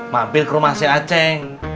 mampir ke rumah si aceh